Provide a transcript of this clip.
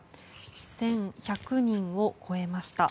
１１００人を超えました。